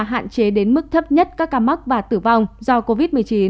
hạn chế đến mức thấp nhất các ca mắc và tử vong do covid một mươi chín